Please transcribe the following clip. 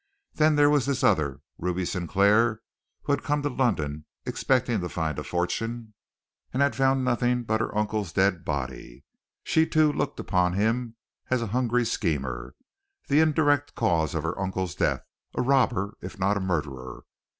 Then there was this other, Ruby Sinclair, who had come to London expecting to find a fortune, and had found nothing but her uncle's dead body. She, too, looked upon him as a hungry schemer, the indirect cause of her uncle's death, a robber, if not a murderer!